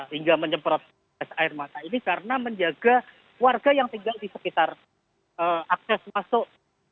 hingga menyemprot gas air mata ini karena menjaga warga yang tinggal di sekitar akses masuk